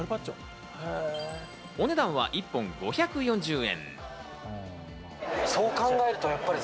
お値段は１本５４０円。